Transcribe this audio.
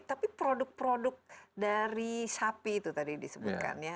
tapi produk produk dari sapi itu tadi disebutkan ya